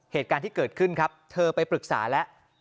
เหตุการณ์ที่เกิดขึ้นครับเธอไปปรึกษาแล้ว